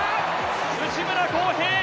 内村航平